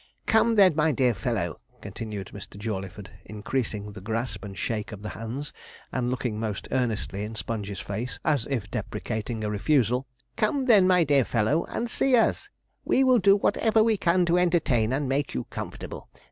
Come, then, my dear fellow,' continued Mr. Jawleyford, increasing the grasp and shake of the hands, and looking most earnestly in Sponge's face, as if deprecating a refusal; 'come, then, my dear fellow, and see us; we will do whatever we can to entertain and make you comfortable.